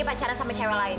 pacaran sama cewek lain